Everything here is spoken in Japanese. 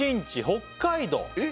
北海道